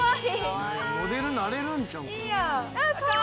モデルなれるんちゃう？